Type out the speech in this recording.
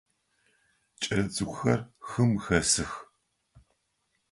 Кӏэлэцӏыкӏухэр хым хэсых.